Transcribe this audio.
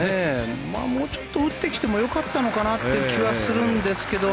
もうちょっと打ってきても良かったのかなという気はするんですけど。